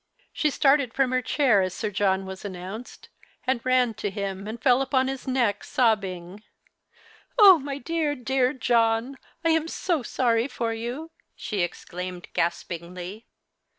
She started from her chair as Sir John was announced, and ran to him and fell upon his neck sobbing —" Oh, my dear, dear John, I am so sorry for you," she exclaimed gaspingly.